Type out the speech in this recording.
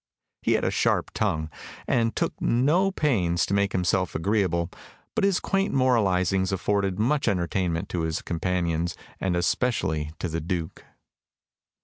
He had a sharp tongue, and took no pains to make himself agreeable, but his quaint moralisings afforded much entertainment to his companions, and especially to the Duke.